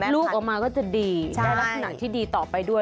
ลูกออกมาก็จะดีได้ลักษณะที่ดีต่อไปด้วย